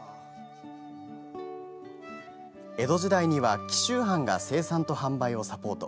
江戸時代には紀州藩が生産と販売をサポート。